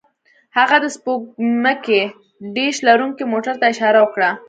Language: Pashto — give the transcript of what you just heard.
هغه د سپوږمکۍ ډیش لرونکي موټر ته اشاره وکړه